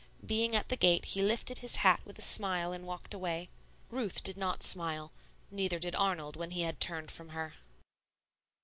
Being at the gate, he lifted his hat with a smile and walked away. Ruth did not smile; neither did Arnold when he had turned from her.